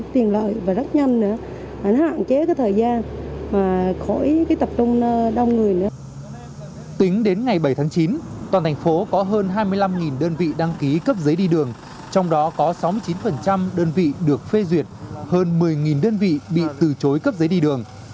tính đến ngày bảy tháng chín toàn thành phố có hơn hai mươi năm đơn vị đăng ký cấp giấy đi đường trong đó có sáu mươi chín đơn vị được phê duyệt hơn một mươi đơn vị bị từ chối cấp giấy đi đường